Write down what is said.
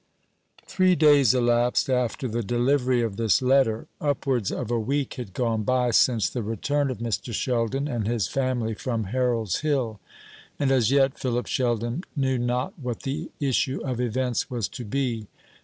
Three days elapsed after the delivery of this letter. Upwards of a week had gone by since the return of Mr. Sheldon and his family from Harold's Hill: and as yet Philip Sheldon knew not what the issue of events was to be.